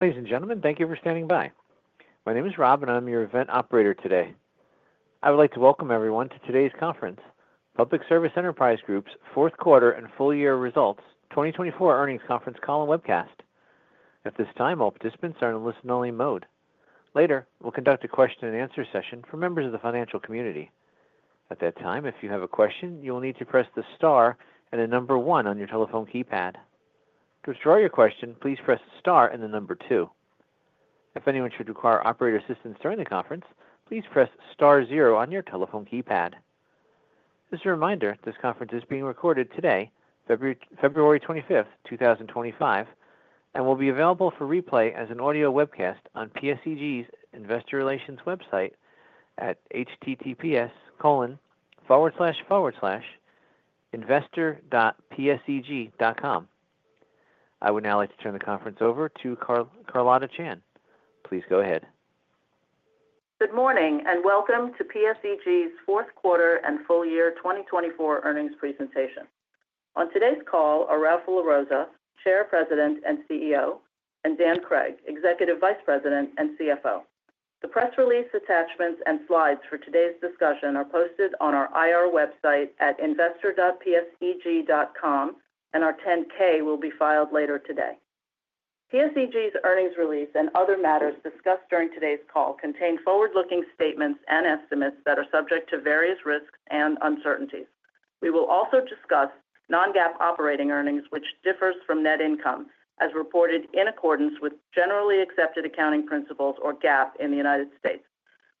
Ladies and gentlemen, thank you for standing by. My name is Rob, and I'm your event operator today. I would like to welcome everyone to today's conference, Public Service Enterprise Group's Q4 and full-year results, 2024 earnings conference call and webcast. At this time, all participants are in a listen-only mode. Later, we'll conduct a question-and-answer session for members of the financial community. At that time, if you have a question, you will need to press the star and the number one on your telephone keypad. To withdraw your question, please press the star and the number two. If anyone should require operator assistance during the conference, please press star zero on your telephone keypad. Just a reminder, this conference is being recorded today, February 25th, 2025, and will be available for replay as an audio webcast on PSEG investor relations website at https://investor.pseg.com. I would now like to turn the conference over to Carlotta Chan. Please go ahead. Good morning, and welcome to PSE&G's Q4 and full-year 2024 earnings presentation. On today's call are Ralph LaRossa, Chair, President, and CEO, and Daniel Cregg, Executive Vice President and CFO. The press release attachments and slides for today's discussion are posted on our IR website at investor.pseg.com, and our 10-K will be filed later today. PSE&G's earnings release and other matters discussed during today's call contain forward-looking statements and estimates that are subject to various risks and uncertainties. We will also discuss non-GAAP operating earnings, which differs from net income as reported in accordance with Generally Accepted Accounting Principles, or GAAP, in the United States.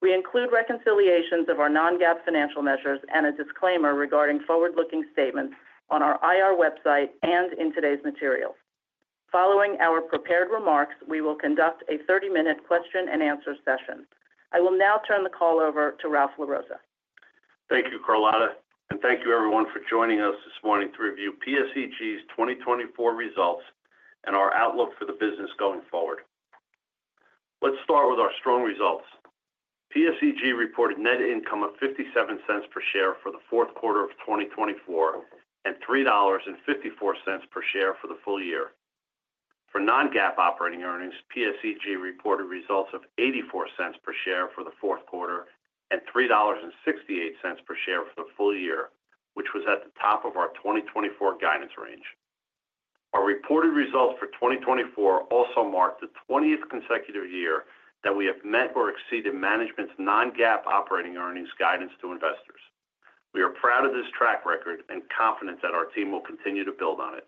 We include reconciliations of our non-GAAP financial measures and a disclaimer regarding forward-looking statements on our IR website and in today's materials. Following our prepared remarks, we will conduct a 30-minute question-and-answer session. I will now turn the call over to Ralph LaRossa. Thank you, Carlotta, and thank you, everyone, for joining us this morning to review PSEG's 2024 results and our outlook for the business going forward. Let's start with our strong results. PSEG reported net income of $0.57 per share for the Q4 of 2024 and $3.54 per share for the full year. For Non-GAAP operating earnings, PSEG reported results of $0.84 per share for the Q4 and $3.68 per share for the full year, which was at the top of our 2024 guidance range. Our reported results for 2024 also mark the 20th consecutive year that we have met or exceeded management's Non-GAAP operating earnings guidance to investors. We are proud of this track record and confident that our team will continue to build on it.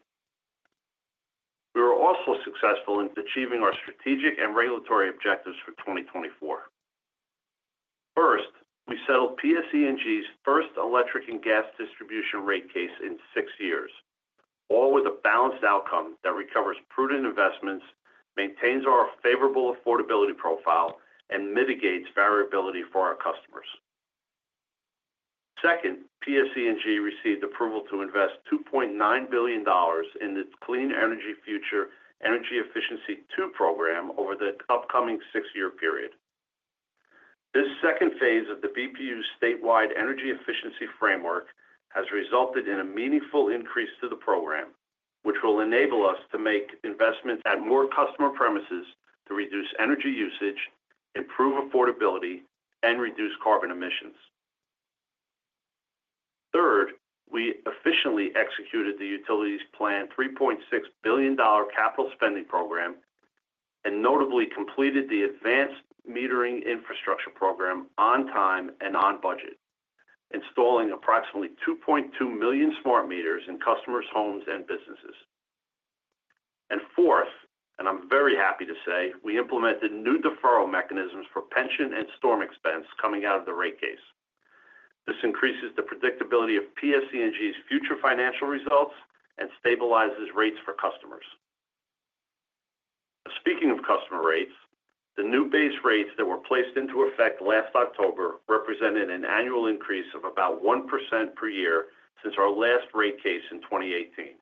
We were also successful in achieving our strategic and regulatory objectives for 2024. First, we settled PSEG's first electric and gas distribution rate case in six years, all with a balanced outcome that recovers prudent investments, maintains our favorable affordability profile, and mitigates variability for our customers. Second, PSEG received approval to invest $2.9 billion in the Clean Energy Future Energy Efficiency II program over the upcoming six-year period. This second phase of the BPU's statewide energy efficiency framework has resulted in a meaningful increase to the program, which will enable us to make investments at more customer premises to reduce energy usage, improve affordability, and reduce carbon emissions. Third, we efficiently executed the utilities' planned $3.6 billion capital spending program and notably completed the advanced metering infrastructure program on time and on budget, installing approximately 2.2 million smart meters in customers' homes and businesses. Fourth, and I'm very happy to say, we implemented new deferral mechanisms for pension and storm expense coming out of the rate case. This increases the predictability of PSEG's future financial results and stabilizes rates for customers. Speaking of customer rates, the new base rates that were placed into effect last October represented an annual increase of about 1% per year since our last rate case in 2018.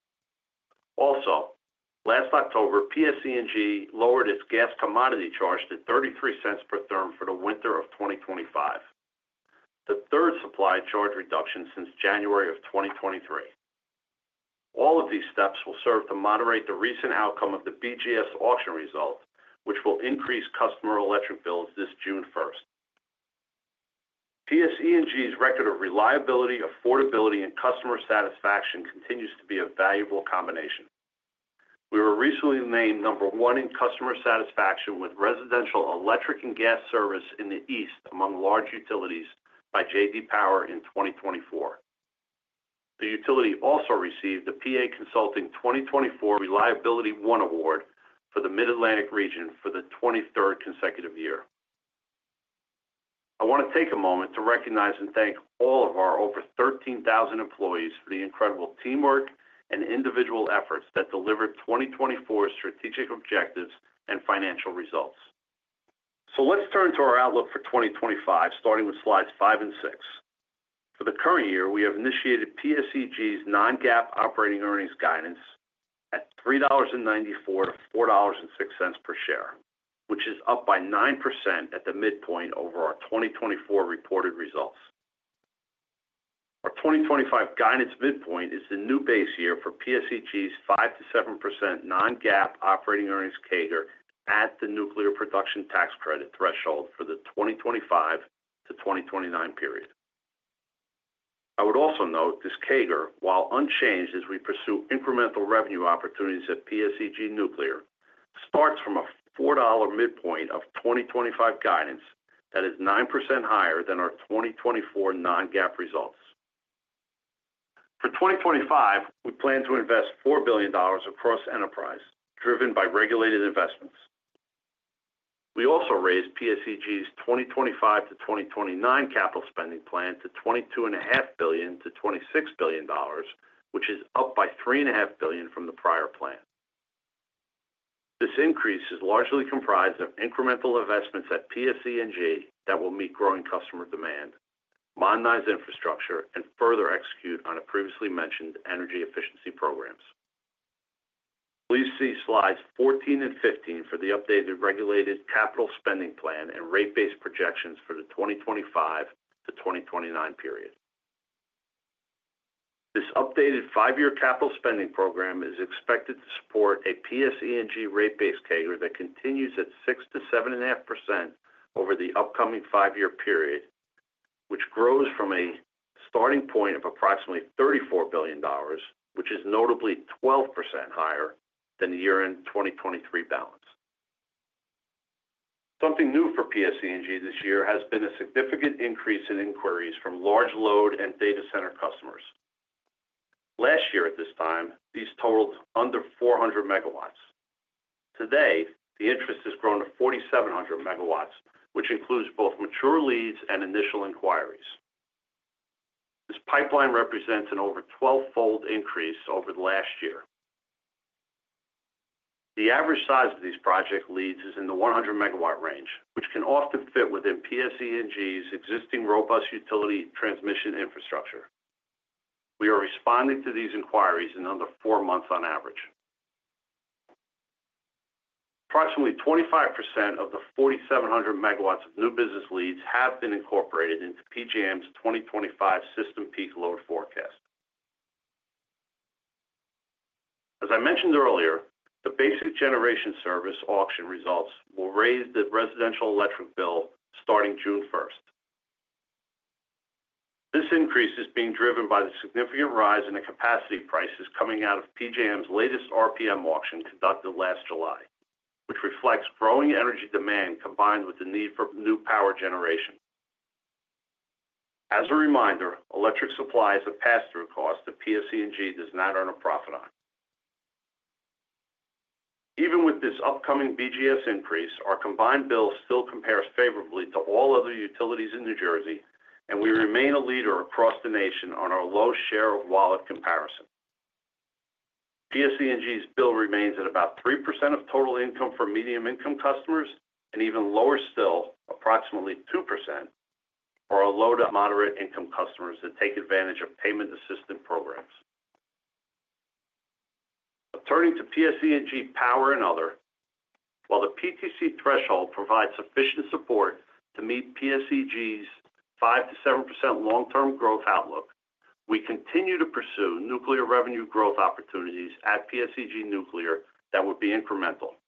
Also, last October, PSEG lowered its gas commodity charge to $0.33 per therm for the winter of 2025, the third supply charge reduction since January of 2023. All of these steps will serve to moderate the recent outcome of the BGS auction result, which will increase customer electric bills this June 1st. PSEG's record of reliability, affordability, and customer satisfaction continues to be a valuable combination. We were recently named number one in customer satisfaction with residential electric and gas service in the East among large utilities by J.D. Power in 2024. The utility also received the PA Consulting 2024 ReliabilityOne Award for the Mid-Atlantic region for the 23rd consecutive year. I want to take a moment to recognize and thank all of our over 13,000 employees for the incredible teamwork and individual efforts that delivered 2024 strategic objectives and financial results. So let's turn to our outlook for 2025, starting with slides five and six. For the current year, we have initiated PSEG's non-GAAP operating earnings guidance at $3.94-$4.06 per share, which is up by 9% at the midpoint over our 2024 reported results. Our 2025 guidance midpoint is the new base year for PSEG's 5%-7% non-GAAP operating earnings CAGR at the nuclear production tax credit threshold for the 2025 to 2029 period. I would also note this CAGR, while unchanged as we pursue incremental revenue opportunities at PSEG Nuclear, starts from a $4 midpoint of 2025 guidance that is 9% higher than our 2024 non-GAAP results. For 2025, we plan to invest $4 billion across enterprise, driven by regulated investments. We also raised PSEG's 2025 to 2029 capital spending plan to $22.5 billion to 26 billion, which is up by $3.5 billion from the prior plan. This increase is largely comprised of incremental investments at PSEG that will meet growing customer demand, modernize infrastructure, and further execute on the previously mentioned energy efficiency programs. Please see slides 14 and 15 for the updated regulated capital spending plan and rate base projections for the 2025 to 2029 period. This updated five-year capital spending program is expected to support a PSE&G rate base CAGR that continues at 6%-7.5% over the upcoming five-year period, which grows from a starting point of approximately $34 billion, which is notably 12% higher than the year-end 2023 balance. Something new for PSE&G this year has been a significant increase in inquiries from large load and data center customers. Last year, at this time, these totaled under 400 megawatts. Today, the interest has grown to 4,700 megawatts, which includes both mature leads and initial inquiries. This pipeline represents an over 12-fold increase over the last year. The average size of these project leads is in the 100 megawatt range, which can often fit within PSEG's existing robust utility transmission infrastructure. We are responding to these inquiries in under four months on average. Approximately 25% of the 4,700 megawatts of new business leads have been incorporated into PJM's 2025 system peak load forecast. As I mentioned earlier, the Basic Generation Service auction results will raise the residential electric bill starting June 1st. This increase is being driven by the significant rise in the capacity prices coming out of PJM's latest RPM auction conducted last July, which reflects growing energy demand combined with the need for new power generation. As a reminder, electric supply is a pass-through cost that PSEG does not earn a profit on. Even with this upcoming BGS increase, our combined bill still compares favorably to all other utilities in New Jersey, and we remain a leader across the nation on our low share of wallet comparison. PSEG's bill remains at about 3% of total income for medium-income customers and even lower still, approximately 2%, for our low- to moderate-income customers that take advantage of payment assistance programs. Turning to PSEG Power and Other, while the PTC threshold provides sufficient support to meet PSEG's 5%-7% long-term growth outlook, we continue to pursue nuclear revenue growth opportunities at PSEG Nuclear that would be incremental.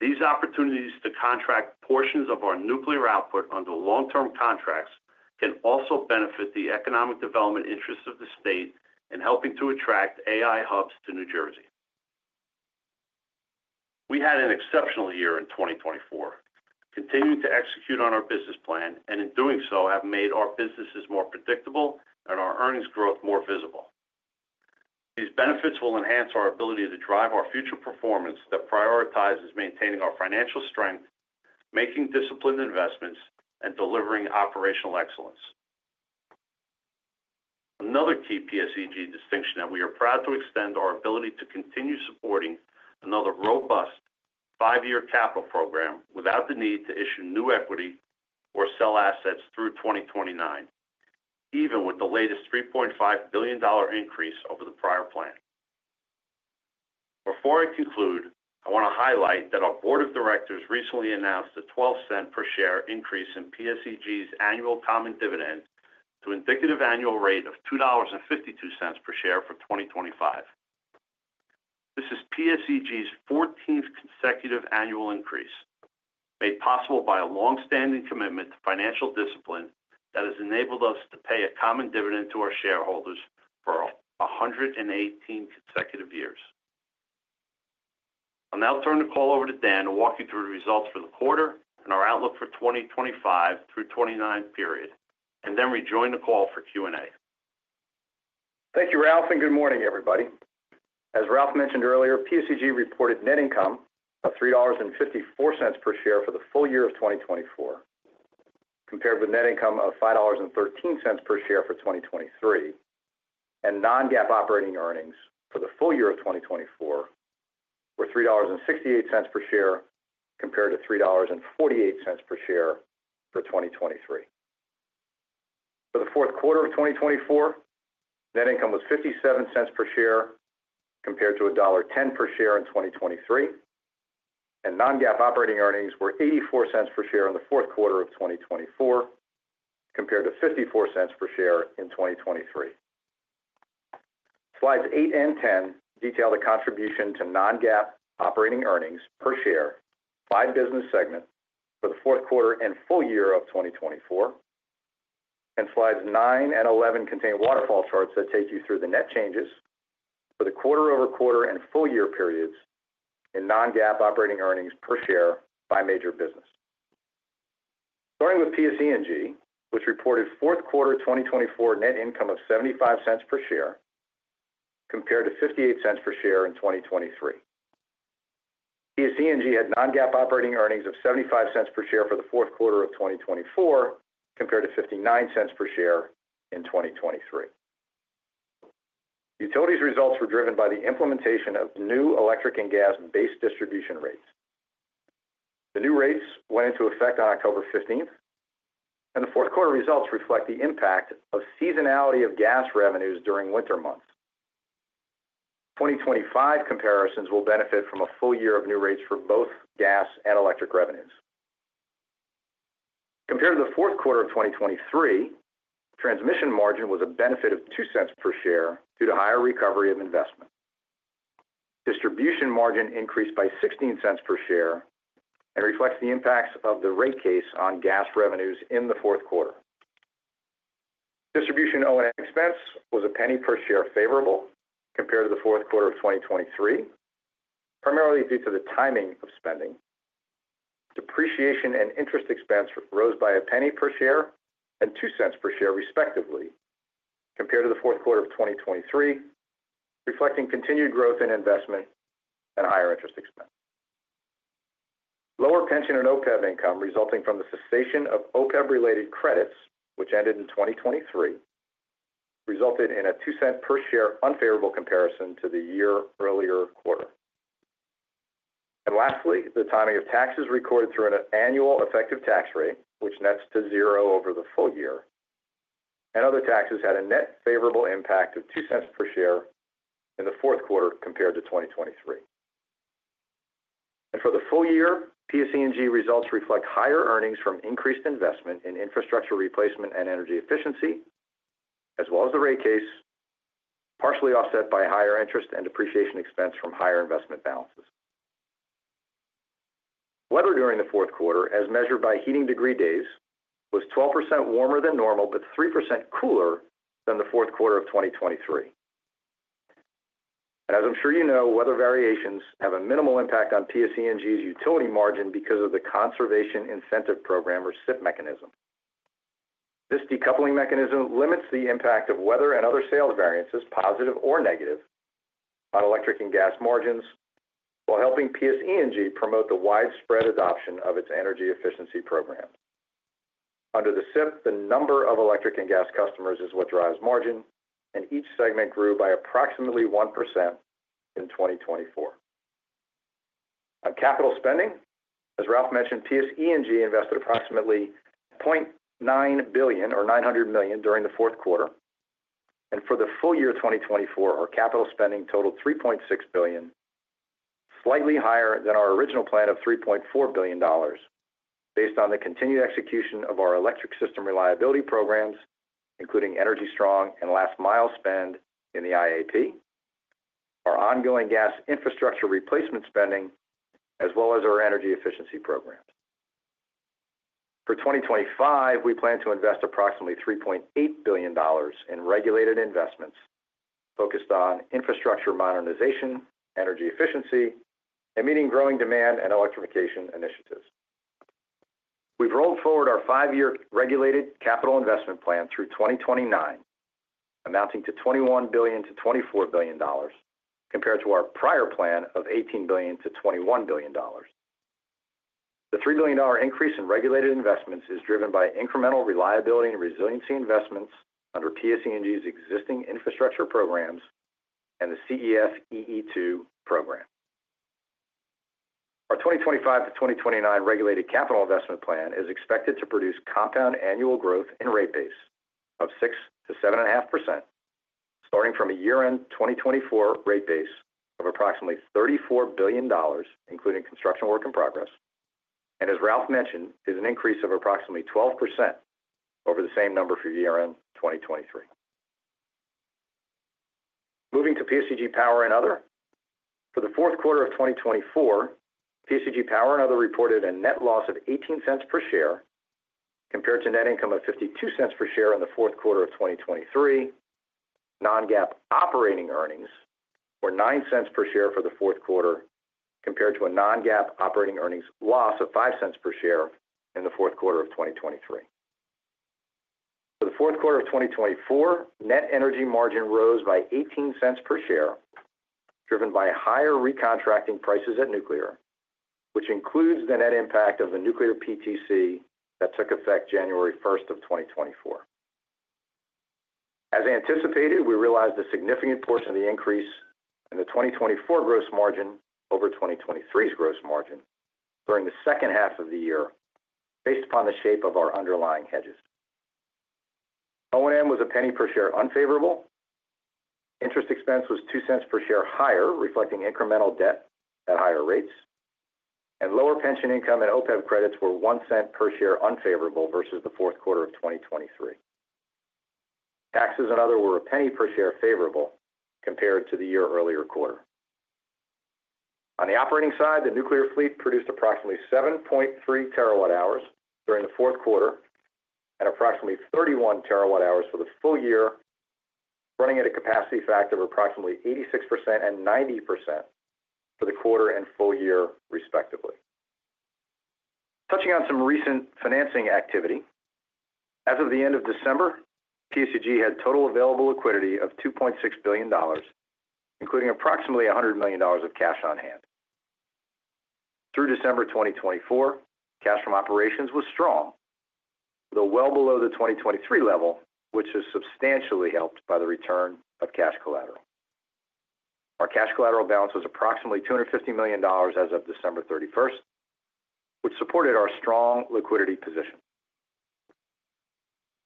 These opportunities to contract portions of our nuclear output under long-term contracts can also benefit the economic development interests of the state in helping to attract AI hubs to New Jersey. We had an exceptional year in 2024, continuing to execute on our business plan, and in doing so, have made our businesses more predictable and our earnings growth more visible. These benefits will enhance our ability to drive our future performance that prioritizes maintaining our financial strength, making disciplined investments, and delivering operational excellence. Another key PSEG distinction that we are proud to extend is our ability to continue supporting another robust five-year capital program without the need to issue new equity or sell assets through 2029, even with the latest $3.5 billion increase over the prior plan. Before I conclude, I want to highlight that our board of directors recently announced a $0.12 per share increase in PSEG's annual common dividend to an indicative annual rate of $2.52 per share for 2025. This is PSEG's 14th consecutive annual increase, made possible by a long-standing commitment to financial discipline that has enabled us to pay a common dividend to our shareholders for 118 consecutive years. I'll now turn the call over to Dan to walk you through the results for the quarter and our outlook for the 2025 through 2029 period, and then rejoin the call for Q&A. Thank you, Ralph, and good morning, everybody. As Ralph mentioned earlier, PSEG reported net income of $3.54 per share for the full year of 2024, compared with net income of $5.13 per share for 2023, and non-GAAP operating earnings for the full year of 2024 were $3.68 per share compared to $3.48 per share for 2023. For the Q4 of 2024, net income was $0.57 per share compared to $1.10 per share in 2023, and non-GAAP operating earnings were $0.84 per share in the Q4 of 2024 compared to $0.54 per share in 2023. Slides eight and ten detail the contribution to non-GAAP operating earnings per share by business segment for the Q4 and full year of 2024, and slides nine and eleven contain waterfall charts that take you through the net changes for the quarter-over-quarter and full-year periods in non-GAAP operating earnings per share by major business. Starting with PSEG, which reported Q4 2024 net income of $0.75 per share compared to $0.58 per share in 2023. PSEG had non-GAAP operating earnings of $0.75 per share for the Q4 of 2024 compared to $0.59 per share in 2023. Utilities' results were driven by the implementation of new electric and gas-based distribution rates. The new rates went into effect on October 15th, and the Q4 results reflect the impact of seasonality of gas revenues during winter months. 2025 comparisons will benefit from a full year of new rates for both gas and electric revenues. Compared to the Q4 of 2023, transmission margin was a benefit of $0.02 per share due to higher recovery of investment. Distribution margin increased by $0.16 per share and reflects the impacts of the rate case on gas revenues in the Q4. Distribution O&M expense was $0.01 per share favorable compared to the Q4 of 2023, primarily due to the timing of spending. Depreciation and interest expense rose by $0.01 per share and $0.02 per share, respectively, compared to the Q4 of 2023, reflecting continued growth in investment and higher interest expense. Lower pension and OPEB income resulting from the cessation of OPEB-related credits, which ended in 2023, resulted in a $0.02 per share unfavorable comparison to the year earlier quarter. Lastly, the timing of taxes recorded through an annual effective tax rate, which nets to zero over the full year, and other taxes had a net favorable impact of $0.02 per share in the Q4 compared to 2023. For the full year, PSEG results reflect higher earnings from increased investment in infrastructure replacement and energy efficiency, as well as the rate case, partially offset by higher interest and depreciation expense from higher investment balances. Weather during the Q4, as measured by heating degree days, was 12% warmer than normal, but 3% cooler than the Q4 of 2023. As I'm sure you know, weather variations have a minimal impact on PSEG's utility margin because of the conservation incentive program or CIP mechanism. This decoupling mechanism limits the impact of weather and other sales variances, positive or negative, on electric and gas margins while helping PSEG promote the widespread adoption of its energy efficiency program. Under the CIP, the number of electric and gas customers is what drives margin, and each segment grew by approximately 1% in 2024. On capital spending, as Ralph mentioned, PSEG invested approximately $0.9 billion or $900 million during the Q4, and for the full year of 2024, our capital spending totaled $3.6 billion, slightly higher than our original plan of $3.4 billion, based on the continued execution of our electric system reliability programs, including Energy Strong and Last Mile spend in the IAP, our ongoing gas infrastructure replacement spending, as well as our energy efficiency programs. For 2025, we plan to invest approximately $3.8 billion in regulated investments focused on infrastructure modernization, energy efficiency, and meeting growing demand and electrification initiatives. We've rolled forward our five-year regulated capital investment plan through 2029, amounting to $21 billion to 24 billion, compared to our prior plan of $18 billion to 21 billion. The $3 billion increase in regulated investments is driven by incremental reliability and resiliency investments under PSEG's existing infrastructure programs and the CEF-EE II Moving to PSEG Power and Other, for the Q4 of 2024, PSEG Power and Other reported a net loss of $0.18 per share compared to net income of $0.52 per share in the Q4 of 2023. Non-GAAP operating earnings were $0.09 per share for the Q4, compared to a non-GAAP operating earnings loss of $0.05 per share in the Q4 of 2023. For the Q4 of 2024, net energy margin rose by $0.18 per share, driven by higher recontracting prices at nuclear, which includes the net impact of the nuclear PTC that took effect January 1st of 2024. As anticipated, we realized a significant portion of the increase in the 2024 gross margin over 2023's gross margin during the second half of the year, based upon the shape of our underlying hedges. O&M was $0.01 per share unfavorable. Interest expense was $0.02 per share higher, reflecting incremental debt at higher rates, and lower pension income and OPEB credits were $0.01 per share unfavorable versus the Q4 of 2023. Taxes and Other were $0.01 per share favorable compared to the year earlier quarter. On the operating side, the nuclear fleet produced approximately 7.3 terawatt hours during the Q4 and approximately 31 terawatt hours for the full year, running at a capacity factor of approximately 86% and 90% for the quarter and full year, respectively. Touching on some recent financing activity, as of the end of December, PSEG had total available liquidity of $2.6 billion, including approximately $100 million of cash on hand. Through December 2024, cash from operations was strong, though well below the 2023 level, which is substantially helped by the return of cash collateral. Our cash collateral balance was approximately $250 million as of December 31st, which supported our strong liquidity position.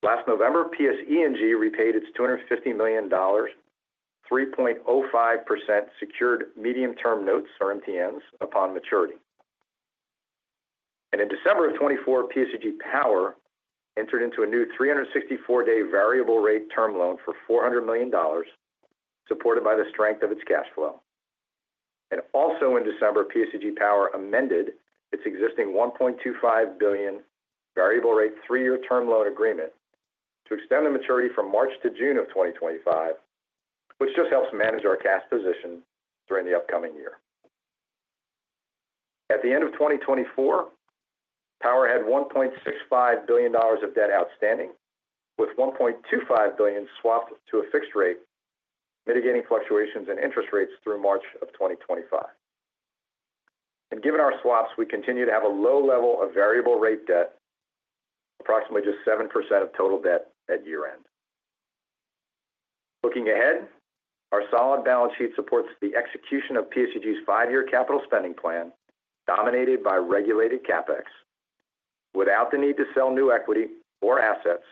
Last November, PSEG repaid its $250 million, 3.05% secured medium-term notes, or MTNs, upon maturity, and in December of 2024, PSEG Power entered into a new 364-day variable rate term loan for $400 million, supported by the strength of its cash flow, and also in December, PSEG Power amended its existing $1.25 billion variable rate three-year term loan agreement to extend the maturity from March to June of 2025, which just helps manage our cash position during the upcoming year. At the end of 2024, Power had $1.65 billion of debt outstanding, with $1.25 billion swapped to a fixed rate, mitigating fluctuations in interest rates through March of 2025, and given our swaps, we continue to have a low level of variable rate debt, approximately just 7% of total debt at year-end. Looking ahead, our solid balance sheet supports the execution of PSEG's five-year capital spending plan, dominated by regulated CapEx, without the need to sell new equity or assets,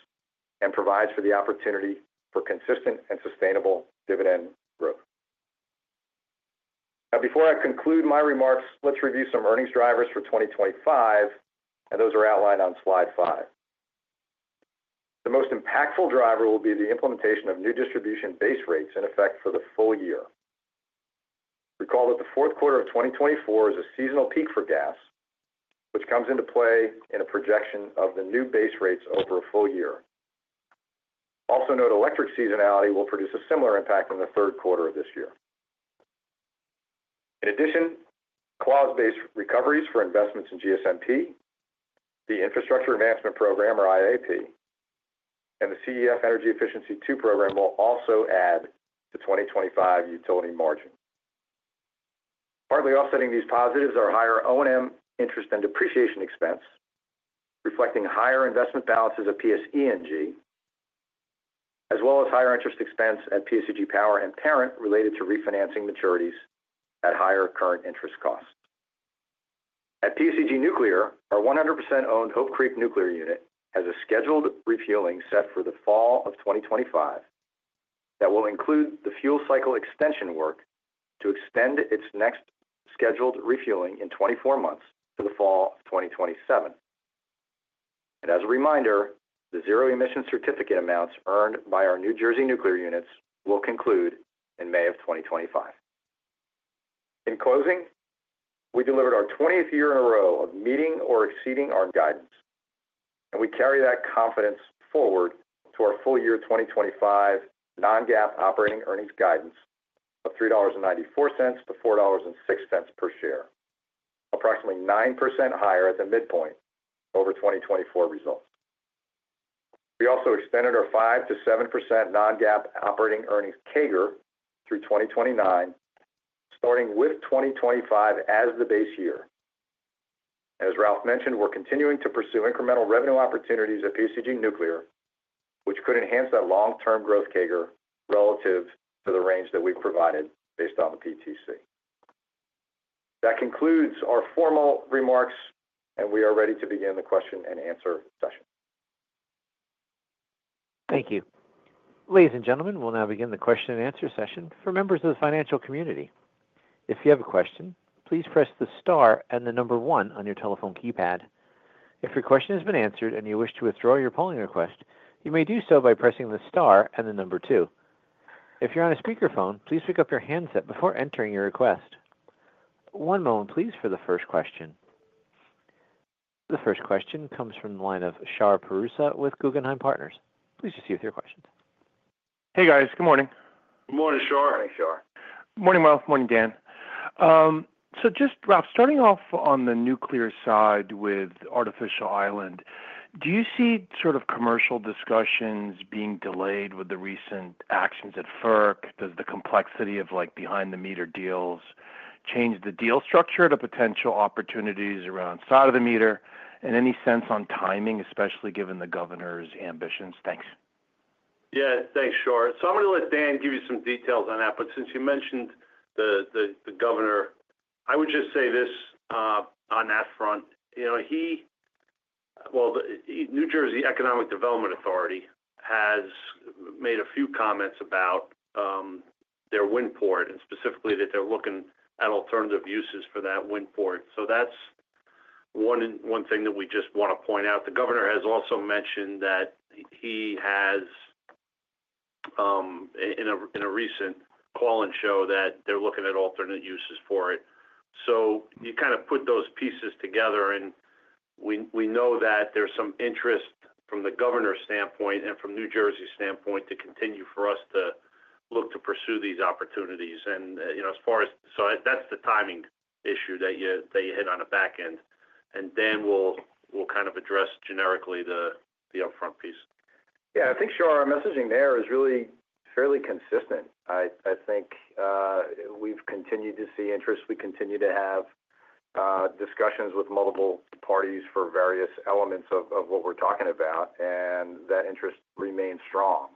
and provides for the opportunity for consistent and sustainable dividend growth. Now, before I conclude my remarks, let's review some earnings drivers for 2025, and those are outlined on slide five. The most impactful driver will be the implementation of new distribution base rates in effect for the full year. Recall that the Q4 of 2024 is a seasonal peak for gas, which comes into play in a projection of the new base rates over a full year. Also note, electric seasonality will produce a similar impact in the Q3 of this year. In addition, clause-based recoveries for investments in GSMP, the Infrastructure Advancement Program, or IAP, and the CEF Energy Efficiency II program will also add to 2025 utility margin. Partly offsetting these positives are higher O&M interest and depreciation expense, reflecting higher investment balances of PSEG, as well as higher interest expense at PSEG Power and Parent related to refinancing maturities at higher current interest costs. At PSEG Nuclear, our 100% owned Hope Creek Nuclear Unit has a scheduled refueling set for the fall of 2025 that will include the fuel cycle extension work to extend its next scheduled refueling in 24 months to the fall of 2027. And as a reminder, the Zero Emission Certificate amounts earned by our New Jersey nuclear units will conclude in May of 2025. In closing, we delivered our 20th year in a row of meeting or exceeding our guidance, and we carry that confidence forward to our full year 2025 non-GAAP operating earnings guidance of $3.94-$4.06 per share, approximately 9% higher at the midpoint over 2024 results. We also extended our 5%-7% non-GAAP operating earnings CAGR through 2029, starting with 2025 as the base year. As Ralph mentioned, we're continuing to pursue incremental revenue opportunities at PSEG Nuclear, which could enhance that long-term growth CAGR relative to the range that we've provided based on the PTC. That concludes our formal remarks, and we are ready to begin the question and answer session. Thank you. Ladies and gentlemen, we'll now begin the question and answer session for members of the financial community. If you have a question, please press the star and the number one on your telephone keypad. If your question has been answered and you wish to withdraw your polling request, you may do so by pressing the star and the number two. If you're on a speakerphone, please pick up your handset before entering your request. One moment, please, for the first question. The first question comes from the line of Shar Pourreza with Guggenheim Partners. Please go ahead with your questions. Hey, guys. Good morning. Good morning, Shar. Morning, Shar. Morning, Ralph. Morning, Dan. So just, Ralph, starting off on the nuclear side with Artificial Island, do you see sort of commercial discussions being delayed with the recent actions at FERC? Does the complexity of behind-the-meter deals change the deal structure to potential opportunities around side-of-the-meter? And any sense on timing, especially given the governor's ambitions? Thanks. Yeah. Thanks, Shar. So I'm going to let Dan give you some details on that. But since you mentioned the governor, I would just say this on that front. Well, the New Jersey Economic Development Authority has made a few comments about their wind port, and specifically that they're looking at alternative uses for that wind port. So that's one thing that we just want to point out. The governor has also mentioned that he has, in a recent call, showed that they're looking at alternate uses for it. So you kind of put those pieces together, and we know that there's some interest from the governor's standpoint and from New Jersey's standpoint to continue for us to look to pursue these opportunities. And as far as so that's the timing issue that you hit on the back end. And Dan will kind of address generically the upfront piece. Yeah. I think, Shar, our messaging there is really fairly consistent. I think we've continued to see interest. We continue to have discussions with multiple parties for various elements of what we're talking about, and that interest remains strong.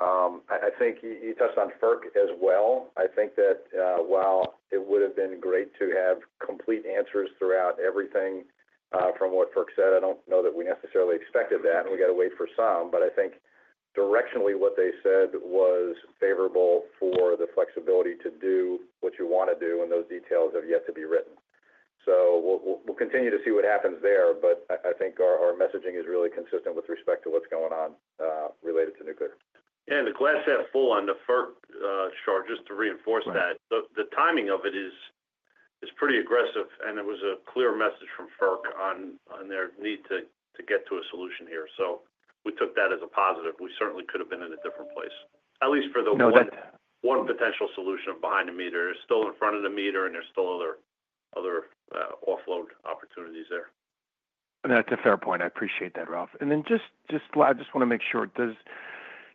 So I think you touched on FERC as well. I think that while it would have been great to have complete answers throughout everything from what FERC said, I don't know that we necessarily expected that, and we got to wait for some. But I think directionally, what they said was favorable for the flexibility to do what you want to do, and those details have yet to be written. So we'll continue to see what happens there, but I think our messaging is really consistent with respect to what's going on related to nuclear. And the glass half full on the FERC, Shar, just to reinforce that. The timing of it is pretty aggressive, and it was a clear message from FERC on their need to get to a solution here. So we took that as a positive. We certainly could have been in a different place, at least for the one potential solution of behind the meter. It's still in front of the meter, and there's still other offload opportunities there. That's a fair point. I appreciate that, Ralph. And then I just want to make sure.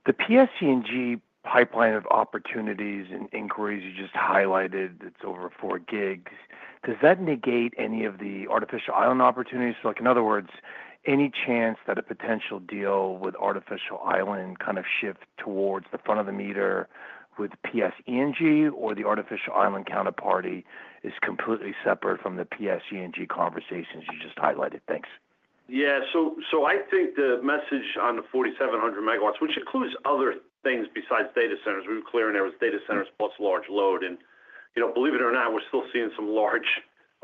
The PSEG pipeline of opportunities and inquiries you just highlighted, it's over four gigs. Does that negate any of the Artificial Island opportunities? So in other words, any chance that a potential deal with Artificial Island kind of shift towards the front of the meter with PSEG or the Artificial Island counterparty is completely separate from the PSEG conversations you just highlighted? Thanks. Yeah. So, I think the message on the 4,700 megawatts, which includes other things besides data centers, we were clear in that there was data centers plus large load. And believe it or not, we're still seeing some large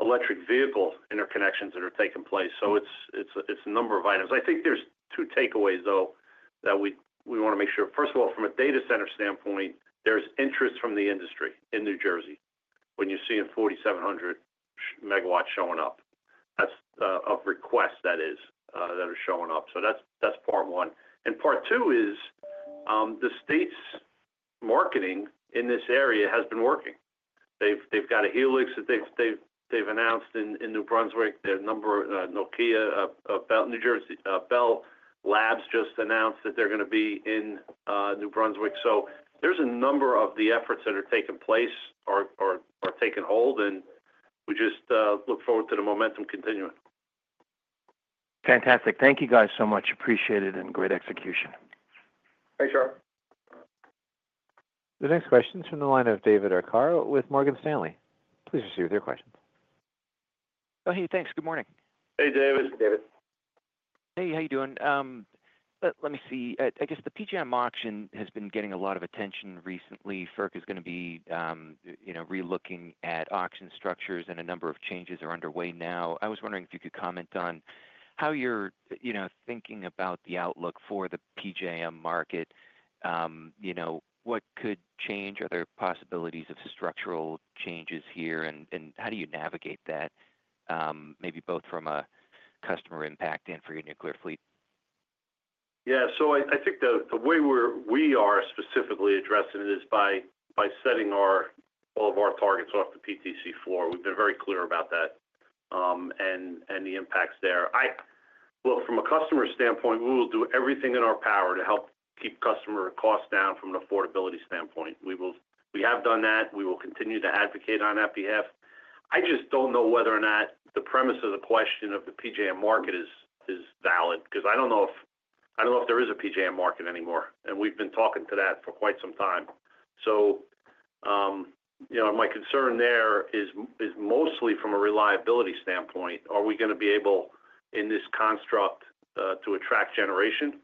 electric vehicle interconnections that are taking place. So it's a number of items. I think there's two takeaways, though, that we want to make sure. First of all, from a data center standpoint, there's interest from the industry in New Jersey when you're seeing 4,700 megawatts showing up. That's of request that is that are showing up. So that's part one. And part two is the state's marketing in this area has been working. They've got a HELIX that they've announced in New Brunswick. There are a number of. Nokia Bell Labs just announced that they're going to be in New Brunswick. So there's a number of the efforts that are taking place or taking hold, and we just look forward to the momentum continuing. Fantastic. Thank you guys so much. Appreciate it and great execution. Thanks, Shar. The next question is from the line of David Arcaro with Morgan Stanley. Please proceed with your questions. Oh, hey. Thanks. Good morning. Hey, David. David. Hey. How are you doing? Let me see. I guess the PJM auction has been getting a lot of attention recently. FERC is going to be relooking at auction structures, and a number of changes are underway now. I was wondering if you could comment on how you're thinking about the outlook for the PJM market. What could change? Are there possibilities of structural changes here, and how do you navigate that, maybe both from a customer impact and for your nuclear fleet? Yeah. So I think the way we are specifically addressing it is by setting all of our targets off the PTC floor. We've been very clear about that and the impacts there. Look, from a customer standpoint, we will do everything in our power to help keep customer costs down from an affordability standpoint. We have done that. We will continue to advocate on that behalf. I just don't know whether or not the premise of the question of the PJM market is valid because I don't know if there is a PJM market anymore. And we've been talking about that for quite some time. So my concern there is mostly from a reliability standpoint. Are we going to be able, in this construct, to attract generation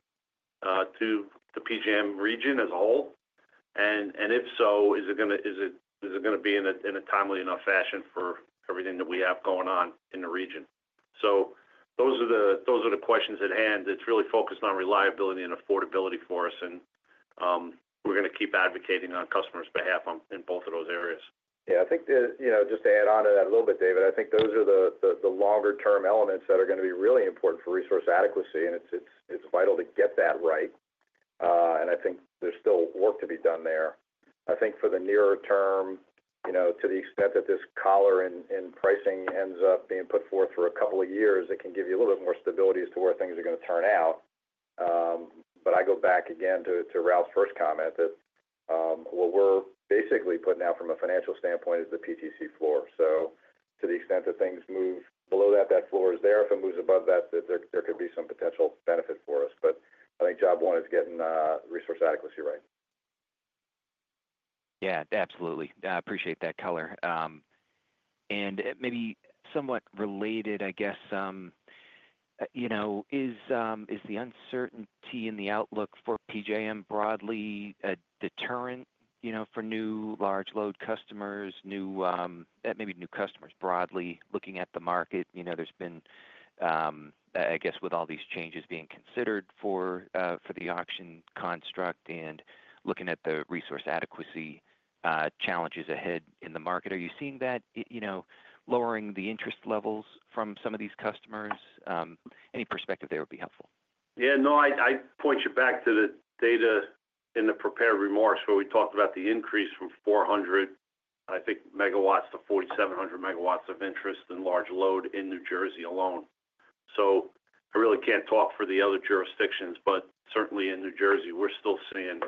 to the PJM region as a whole? If so, is it going to be in a timely enough fashion for everything that we have going on in the region? Those are the questions at hand. It's really focused on reliability and affordability for us, and we're going to keep advocating on customer's behalf in both of those areas. Yeah. I think just to add on to that a little bit, David, I think those are the longer-term elements that are going to be really important for resource adequacy, and it's vital to get that right. I think there's still work to be done there. I think for the nearer term, to the extent that this collar in pricing ends up being put forth for a couple of years, it can give you a little bit more stability as to where things are going to turn out. But I go back again to Ralph's first comment that what we're basically putting out from a financial standpoint is the PTC floor. So to the extent that things move below that, that floor is there. If it moves above that, there could be some potential benefit for us. But I think job one is getting resource adequacy right. Yeah. Absolutely. I appreciate that color. And maybe somewhat related, I guess, is the uncertainty in the outlook for PJM broadly a deterrent for new large load customers, maybe new customers broadly looking at the market? There's been, I guess, with all these changes being considered for the auction construct, and looking at the resource adequacy challenges ahead in the market. Are you seeing that lowering the interest levels from some of these customers? Any perspective there would be helpful. Yeah. No, I point you back to the data in the prepared remarks where we talked about the increase from 400, I think, megawatts to 4,700 megawatts of interest in large load in New Jersey alone. So I really can't talk for the other jurisdictions, but certainly in New Jersey, we're still seeing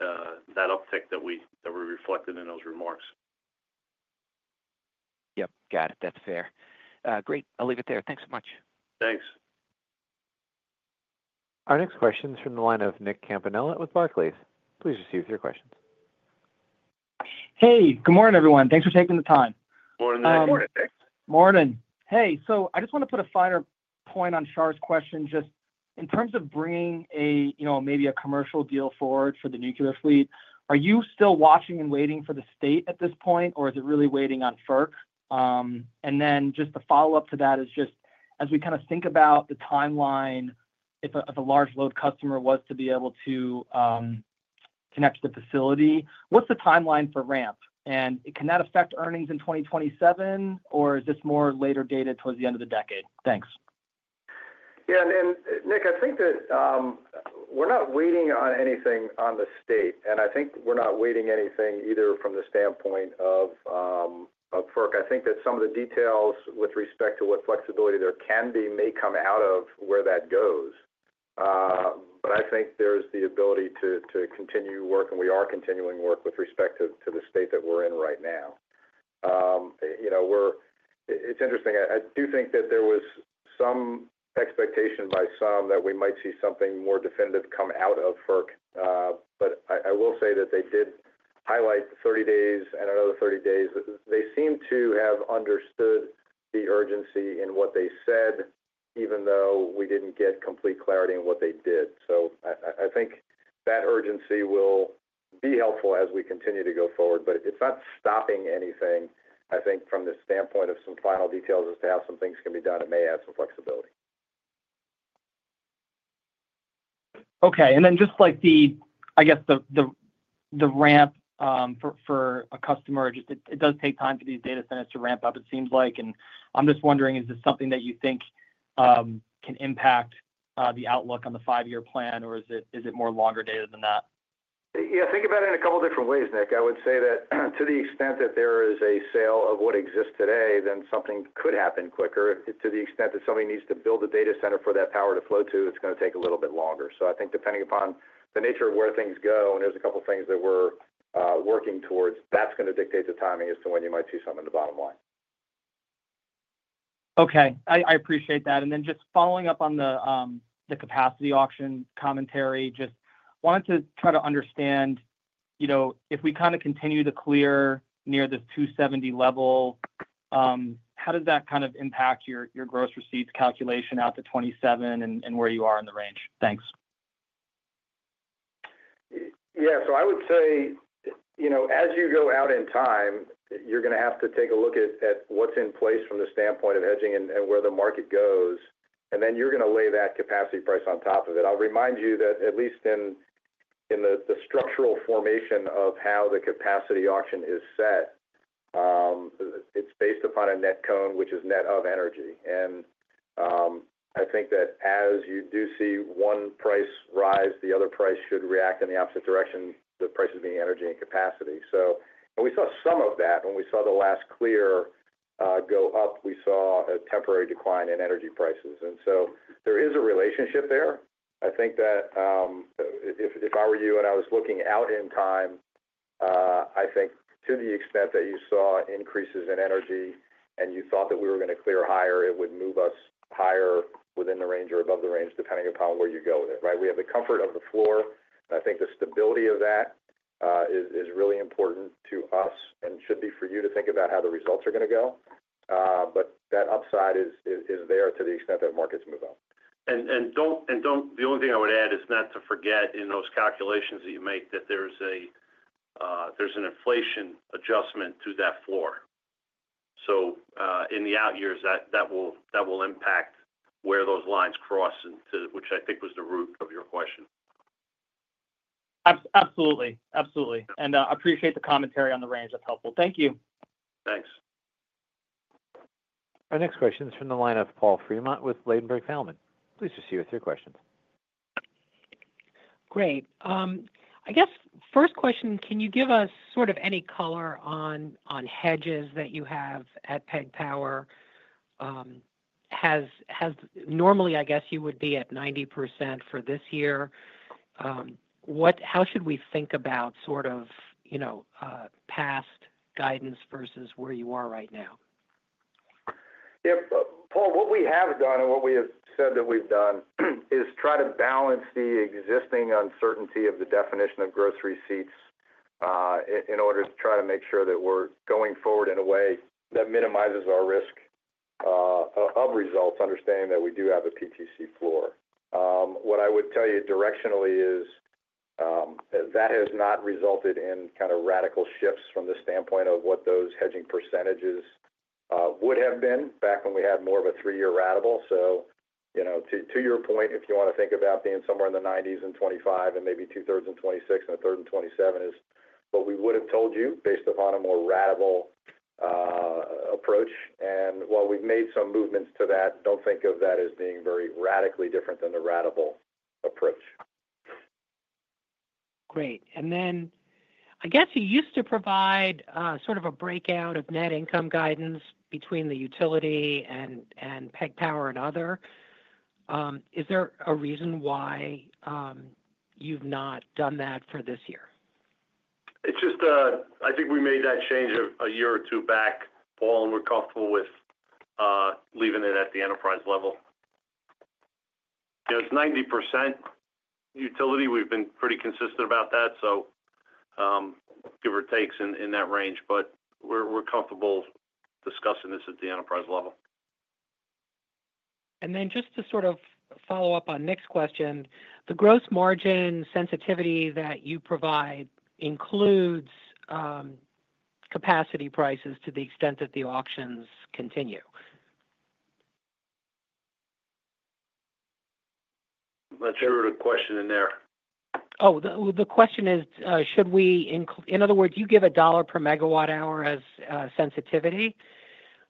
that uptick that we reflected in those remarks. Yep. Got it. That's fair. Great. I'll leave it there. Thanks so much. Thanks. Our next question is from the line of Nicholas Campanella with Barclays. Please proceed with your questions. Hey. Good morning, everyone. Thanks for taking the time. Morning, Nicholas. Morning. Hey. So I just want to put a finer point on Shar's question. Just in terms of bringing maybe a commercial deal forward for the nuclear fleet, are you still watching and waiting for the state at this point, or is it really waiting on FERC? And then just the follow-up to that is just as we kind of think about the timeline if a large load customer was to be able to connect to the facility. What's the timeline for ramp? And can that affect earnings in 2027, or is this more later data towards the end of the decade? Thanks. Yeah. And Nick, I think that we're not waiting on anything on the state, and I think we're not waiting anything either from the standpoint of FERC. I think that some of the details with respect to what flexibility there can be may come out of where that goes. But I think there's the ability to continue work, and we are continuing work with respect to the state that we're in right now. It's interesting. I do think that there was some expectation by some that we might see something more definitive come out of FERC. But I will say that they did highlight 30 days and another 30 days. They seem to have understood the urgency in what they said, even though we didn't get complete clarity on what they did. So I think that urgency will be helpful as we continue to go forward. But it's not stopping anything, I think, from the standpoint of some final details as to how some things can be done. It may add some flexibility. Okay. And then just the, I guess, ramp for a customer; it does take time for these data centers to ramp up, it seems like. And I'm just wondering, is this something that you think can impact the outlook on the five-year plan, or is it more longer term than that? Yeah. Think about it in a couple of different ways, Nicholas. I would say that to the extent that there is a sale of what exists today, then something could happen quicker. To the extent that somebody needs to build a data center for that power to flow to, it's going to take a little bit longer. So I think depending upon the nature of where things go, and there's a couple of things that we're working towards, that's going to dictate the timing as to when you might see something in the bottom line. Okay. I appreciate that. And then just following up on the capacity auction commentary, just wanted to try to understand if we kind of continue to clear near this 270 level, how does that kind of impact your gross receipts calculation out to 27 and where you are in the range? Thanks. Yeah. So I would say as you go out in time, you're going to have to take a look at what's in place from the standpoint of hedging and where the market goes, and then you're going to lay that capacity price on top of it. I'll remind you that at least in the structural formation of how the capacity auction is set, it's based upon a net CONE, which is net of energy. And I think that as you do see one price rise, the other price should react in the opposite direction, the prices being energy and capacity. So we saw some of that. When we saw the last clearing go up, we saw a temporary decline in energy prices. And so there is a relationship there. I think that if I were you and I was looking out in time, I think to the extent that you saw increases in energy and you thought that we were going to clear higher, it would move us higher within the range or above the range depending upon where you go with it, right? We have the comfort of the floor, and I think the stability of that is really important to us and should be for you to think about how the results are going to go. But that upside is there to the extent that markets move up. And the only thing I would add is not to forget in those calculations that you make that there's an inflation adjustment to that floor. So in the out years, that will impact where those lines cross into which I think was the root of your question. Absolutely. Absolutely. I appreciate the commentary on the range. That's helpful. Thank you. Thanks. Our next question is from the line of Paul Fremont with Ladenburg Thalmann. Please proceed with your questions. Great. I guess first question, can you give us sort of any color on hedges that you have at PSEG Power? Normally, I guess you would be at 90% for this year. How should we think about sort of past guidance versus where you are right now? Yeah. Paul, what we have done and what we have said that we've done is try to balance the existing uncertainty of the definition of gross receipts in order to try to make sure that we're going forward in a way that minimizes our risk of results, understanding that we do have a PTC floor. What I would tell you directionally is that has not resulted in kind of radical shifts from the standpoint of what those hedging percentages would have been back when we had more of a three-year ratable. So to your point, if you want to think about being somewhere in the 90s and 25 and maybe two-thirds and 26 and a third and 27 is what we would have told you based upon a more ratable approach. And while we've made some movements to that, don't think of that as being very radically different than the ratable approach. Great. And then I guess you used to provide sort of a breakout of net income guidance between the utility and PSEG Power and other. Is there a reason why you've not done that for this year? It's just, I think we made that change a year or two back, Paul, and we're comfortable with leaving it at the enterprise level. It's 90% utility. We've been pretty consistent about that, so give or take in that range, but we're comfortable discussing this at the enterprise level. And then just to sort of follow up on Nicholas question, the gross margin sensitivity that you provide includes capacity prices to the extent that the auctions continue? I'm not sure what the question in there. Oh, the question is, should we in other words, you give a dollar per megawatt hour as sensitivity.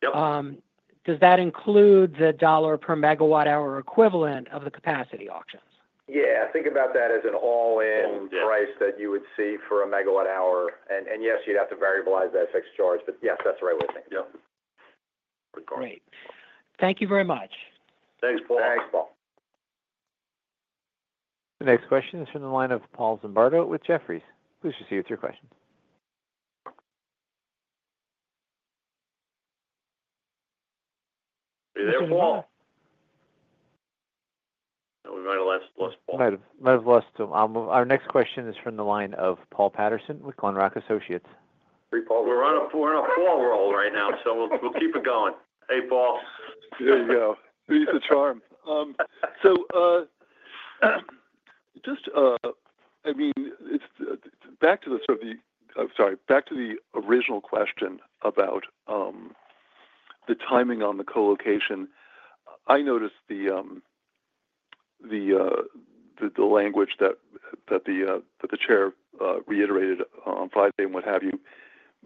Does that include the dollar per megawatt hour equivalent of the capacity auctions? Yeah. Think about that as an all-in price that you would see for a megawatt hour. And yes, you'd have to variabilize that fixed charge, but yes, that's the right way to think about it. Yep. Great. Thank you very much. Thanks, Paul. Thanks, Paul. The next question is from the line of Paul Zimbardo with Jefferies. Please proceed with your question. Are you there, Paul? We might have lost Paul. Might have lost him. Our next question is from the line of Paul Patterson with Glenrock Associates. Hey, Paul. We're on a full roll right now, so we'll keep it going. Hey, Paul. There you go. He's the charm. So just, I mean, back to the sort of the sorry, back to the original question about the timing on the colocation, I noticed the language that the chair reiterated on Friday and what have you.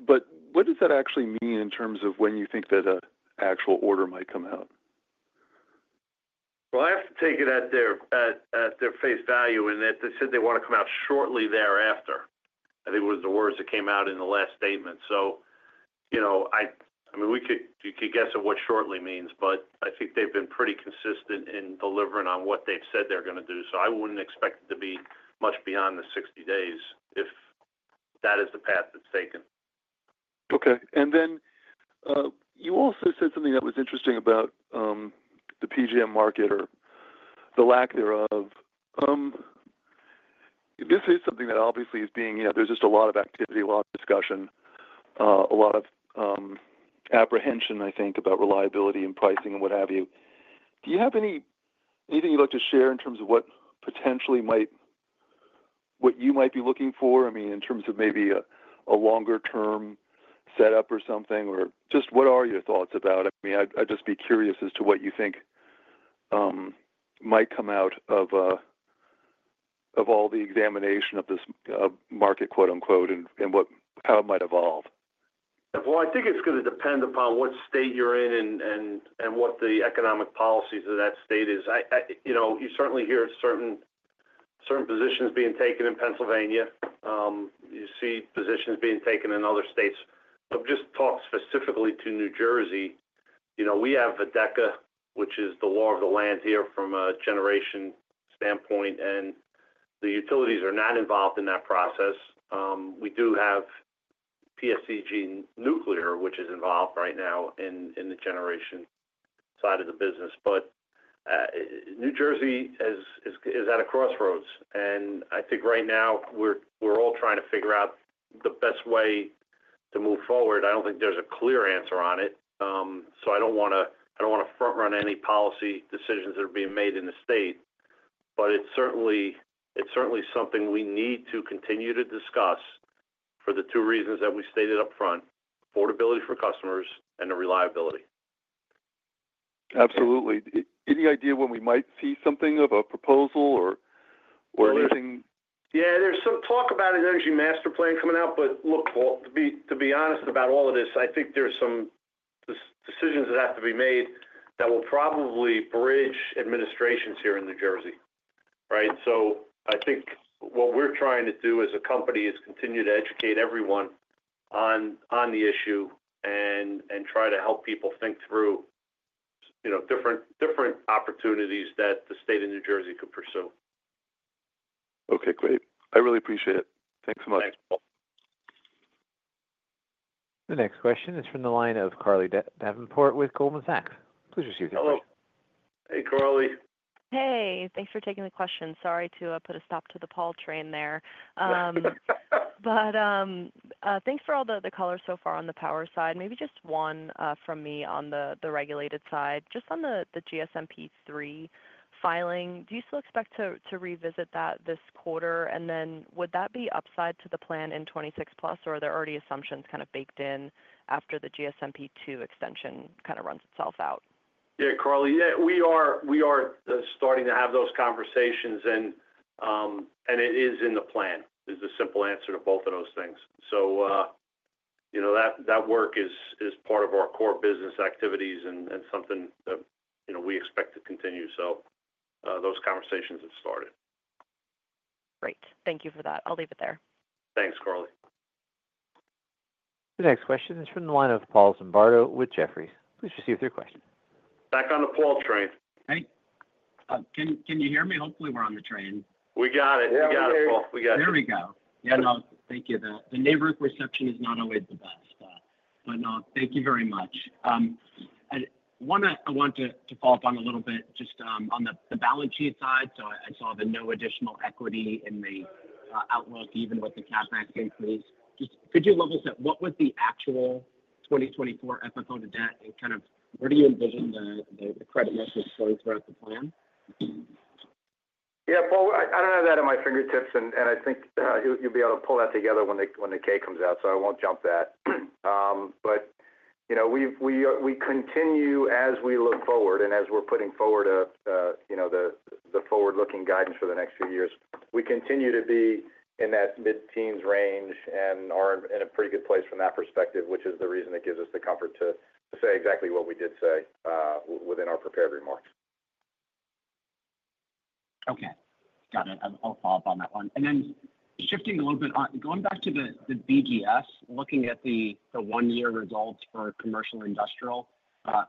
But what does that actually mean in terms of when you think that an actual order might come out? I have to take it at their face value in that they said they want to come out shortly thereafter. I think it was the words that came out in the last statement. So I mean, you could guess at what shortly means, but I think they've been pretty consistent in delivering on what they've said they're going to do. So I wouldn't expect it to be much beyond the 60 days if that is the path that's taken. Okay. And then you also said something that was interesting about the PJM market or the lack thereof. This is something that obviously is being. There's just a lot of activity, a lot of discussion, a lot of apprehension, I think, about reliability and pricing and what have you. Do you have anything you'd like to share in terms of what potentially might what you might be looking for? I mean, in terms of maybe a longer-term setup or something, or just what are your thoughts about? I mean, I'd just be curious as to what you think might come out of all the examination of this market, quote-unquote, and how it might evolve. Well, I think it's going to depend upon what state you're in and what the economic policies of that state is. You certainly hear certain positions being taken in Pennsylvania. You see positions being taken in other states. But just talk specifically to New Jersey. We have EDECA, which is the law of the land here from a generation standpoint, and the utilities are not involved in that process. We do have PSEG Nuclear, which is involved right now in the generation side of the business. But New Jersey is at a crossroads. And I think right now we're all trying to figure out the best way to move forward. I don't think there's a clear answer on it. So I don't want to front-run any policy decisions that are being made in the state, but it's certainly something we need to continue to discuss for the two reasons that we stated upfront: affordability for customers and the reliability. Absolutely. Any idea when we might see something of a proposal or anything? Yeah. There's some talk about an energy master plan coming out, but look, Paul, to be honest about all of this, I think there's some decisions that have to be made that will probably bridge administrations here in New Jersey, right? So I think what we're trying to do as a company is continue to educate everyone on the issue and try to help people think through different opportunities that the state of New Jersey could pursue. Okay. Great. I really appreciate it. Thanks so much. Thanks, Paul. The next question is from the line of Carly Davenport with Goldman Sachs. Please proceed with your question. Hello. Hey, Carly. Hey. Thanks for taking the question. Sorry to put a stop to the Paul train there. But thanks for all the colors so far on the power side. Maybe just one from me on the regulated side. Just on the GSMP III Yeah, Carly. Yeah. We are starting to have those conversations, and it is in the plan. Is the simple answer to both of those things. So that work is part of our core business activities and something that we expect to continue. So those conversations have started. Great. Thank you for that. I'll leave it there. Thanks, Carly. The next question is from the line of Paul Zimbardo with Jefferies. Please proceed with your question. Back on the Paul train. Hey. Can you hear me? Hopefully, we're on the train. We got it. We got it, Paul. We got you. There we go. Yeah. No. Thank you. The neighborhood reception is not always the best, but thank you very much. I want to follow up on a little bit just on the balance sheet side. So I saw the no additional equity in the outlook, even with the CapEx increase. Could you level set what was the actual 2024 FFO to debt and kind of where do you envision the credit market going throughout the plan? Yeah. Paul, I don't have that on my fingertips, and I think you'll be able to pull that together when the K comes out, so I won't jump that. But we continue as we look forward and as we're putting forward the forward-looking guidance for the next few years. We continue to be in that mid-teens range and are in a pretty good place from that perspective, which is the reason it gives us the comfort to say exactly what we did say within our prepared remarks. Okay. Got it. I'll follow up on that one. And then shifting a little bit, going back to the BGS, looking at the one-year results for commercial industrial,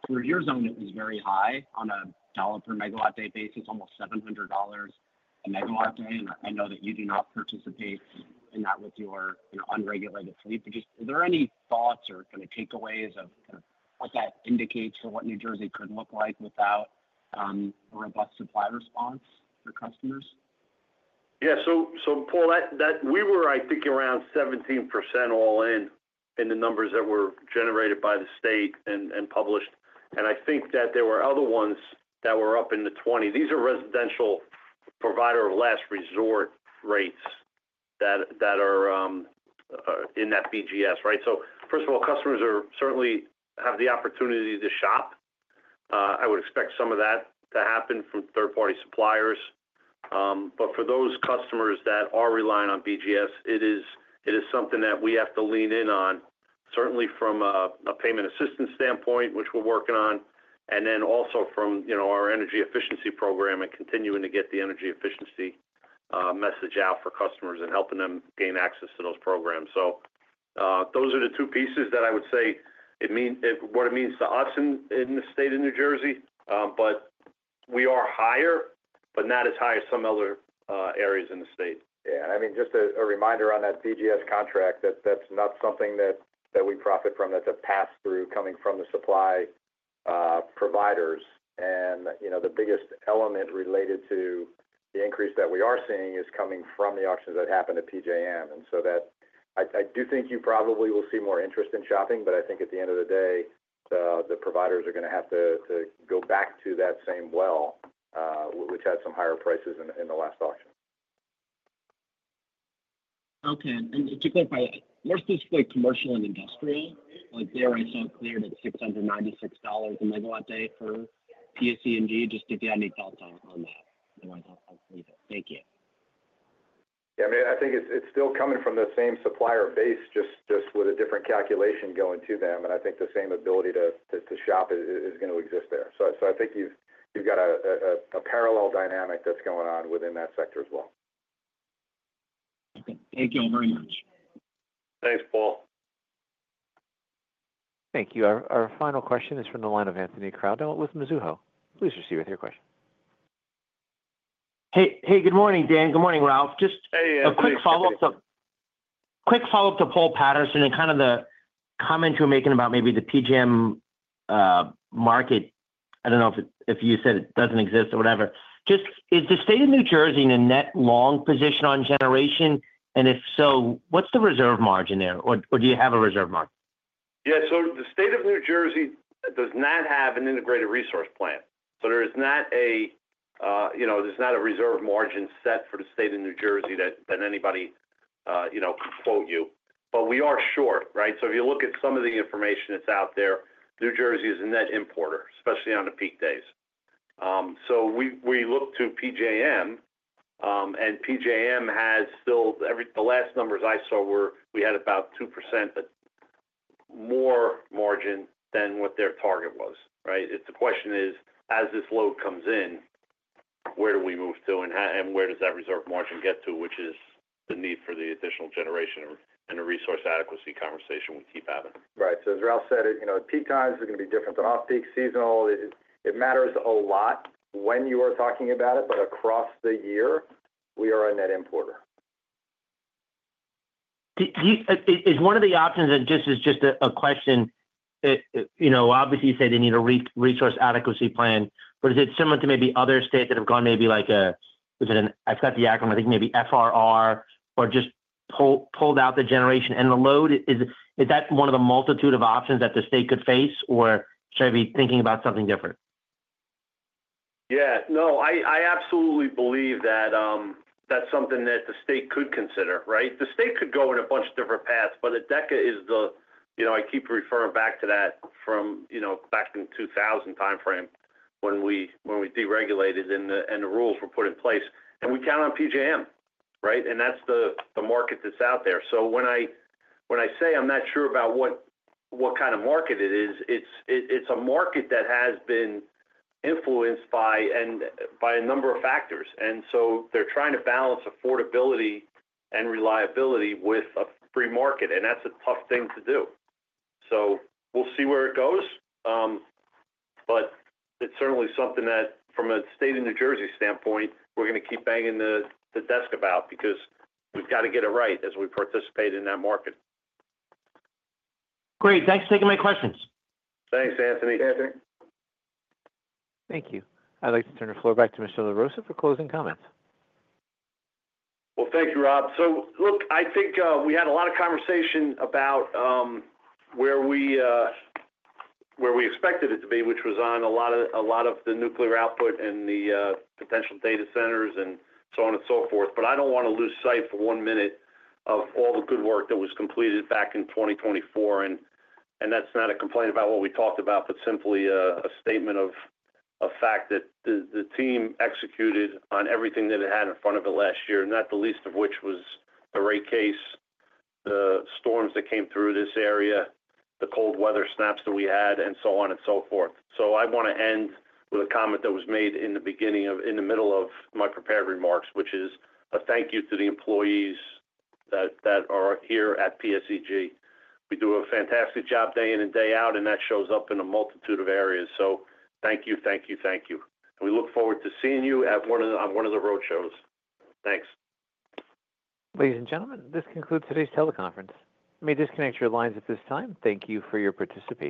through your zone, it was very high on a dollar per megawatt day basis, almost $700 a megawatt day. And I know that you do not participate in that with your unregulated fleet, but just is there any thoughts or kind of takeaways of what that indicates for what New Jersey could look like without a robust supply response for customers? Yeah. So, Paul, we were, I think, around 17% all-in in the numbers that were generated by the state and published. And I think that there were other ones that were up in the 20. These are residential provider of last resort rates that are in that BGS, right? So first of all, customers certainly have the opportunity to shop. I would expect some of that to happen from third-party suppliers. But for those customers that are relying on BGS, it is something that we have to lean in on, certainly from a payment assistance standpoint, which we're working on, and then also from our energy efficiency program and continuing to get the energy efficiency message out for customers and helping them gain access to those programs. So those are the two pieces that I would say what it means to us in the state of New Jersey, but we are higher, but not as high as some other areas in the state. Yeah. I mean, just a reminder on that BGS contract, that's not something that we profit from. That's a pass-through coming from the supply providers. And the biggest element related to the increase that we are seeing is coming from the auctions that happened at PJM. And so I do think you probably will see more interest in shopping, but I think at the end of the day, the providers are going to have to go back to that same well, which had some higher prices in the last auction. Okay. And to clarify, more specifically commercial and industrial, there I saw cleared at $696 a megawatt day for PSE&G. Just if you had any thoughts on that, I'll leave it. Thank you. Yeah. I mean, I think it's still coming from the same supplier base, just with a different calculation going to them. And I think the same ability to shop is going to exist there. So I think you've got a parallel dynamic that's going on within that sector as well. Thank you all very much. Thanks, Paul. Thank you. Our final question is from the line of Anthony Crowdell with Mizuho. Please proceed with your question. Hey. Hey. Good morning, Dan. Good morning, Ralph. Just a quick follow-up to Paul Patterson and kind of the comment you were making about maybe the PJM market. I don't know if you said it doesn't exist or whatever. Just is the state of New Jersey in a net long position on generation? And if so, what's the reserve margin there? Or do you have a reserve margin? Yeah. So the state of New Jersey does not have an integrated resource plan. So there is not a reserve margin set for the state of New Jersey that anybody could quote you. But we are short, right? So if you look at some of the information that's out there, New Jersey is a net importer, especially on the peak days. So we look to PJM, and PJM has still the last numbers I saw were we had about 2% more margin than what their target was, right? The question is, as this load comes in, where do we move to and where does that reserve margin get to, which is the need for the additional generation and the resource adequacy conversation we keep having. Right. So as Ralph said, peak times are going to be different than off-peak seasonal. It matters a lot when you are talking about it, but across the year, we are a net importer. Is one of the options, and this is just a question, obviously, you say they need a resource adequacy plan, but is it similar to maybe other states that have gone maybe like a, was it an, I forgot the acronym. I think maybe FRR or just pulled out the generation and the load. Is that one of the multitude of options that the state could face, or should I be thinking about something different? Yeah. No. I absolutely believe that that's something that the state could consider, right? The state could go in a bunch of different paths, but the EDECA is the, I keep referring back to that from back in the 2000 timeframe when we deregulated and the rules were put in place. And we count on PJM, right? And that's the market that's out there. So when I say I'm not sure about what kind of market it is, it's a market that has been influenced by a number of factors. And so they're trying to balance affordability and reliability with a free market, and that's a tough thing to do. So we'll see where it goes, but it's certainly something that, from a state of New Jersey standpoint, we're going to keep banging the desk about because we've got to get it right as we participate in that market. Great. Thanks for taking my questions. Thanks, Anthony. Thank you. I'd like to turn the floor back to Mr. LaRossa for closing comments. Well, thank you, Rob. So look, I think we had a lot of conversation about where we expected it to be, which was on a lot of the nuclear output and the potential data centers and so on and so forth. But I don't want to lose sight for one minute of all the good work that was completed back in 2024. And that's not a complaint about what we talked about, but simply a statement of fact that the team executed on everything that it had in front of it last year, not the least of which was the rate case, the storms that came through this area, the cold weather snaps that we had, and so on and so forth. So I want to end with a comment that was made in the middle of my prepared remarks, which is a thank you to the employees that are here at PSEG. We do a fantastic job day in and day out, and that shows up in a multitude of areas. So thank you, thank you, thank you. And we look forward to seeing you at one of the road shows. Thanks. Ladies and gentlemen, this concludes today's teleconference. We may disconnect your lines at this time. Thank you for your participation.